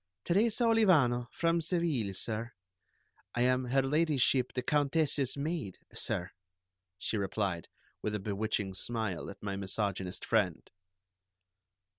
"Teresa Olivano, from Seville, sir. I am Her Ladyship the Countess's maid, sir," she replied, with a bewitching smile at my misogynist friend.